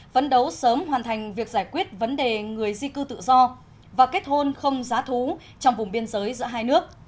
phấn đấu sớm hoàn thành việc giải quyết vấn đề người di cư tự do và kết hôn không giá thú trong vùng biên giới giữa hai nước